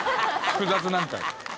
複雑なんかい。